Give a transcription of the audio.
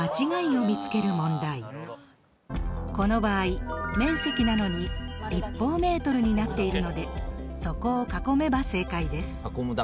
この場合面積なのに立方メートルになっているのでそこを囲めば正解です。